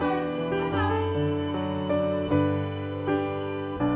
バイバイ。